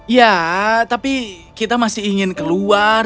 ya tapi kita masih ingin keluar